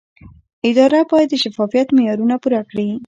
اداره باید د شفافیت معیارونه پوره کړي.